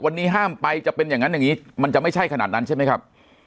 วันนี้ห้ามไปจะเป็นอย่างนั้นอย่างนี้มันจะไม่ใช่ขนาดนั้นใช่ไหมครับ